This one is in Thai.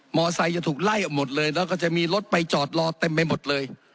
ไซค์จะถูกไล่ออกหมดเลยแล้วก็จะมีรถไปจอดรอเต็มไปหมดเลย